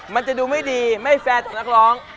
มันจะดูไม่ดีไม่แฟร์กับนักร้อง